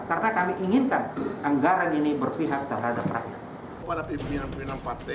karena kami inginkan anggaran ini berpihak terhadap rakyat